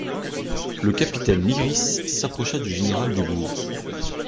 Le capitaine Lyrisse s'approcha du général Dubourg.